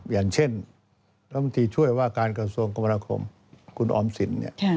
อย่างเช่นบางทีช่วยว่าการกระทรวงกรมราคมคุณออมสิน